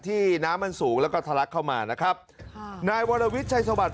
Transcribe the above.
ที่น้ำมันสูงแล้วก็ทะลักเข้ามานะครับค่ะนายวรวิทย์ชัยสวัสดิ